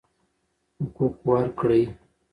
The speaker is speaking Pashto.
حقوق ورکړئ.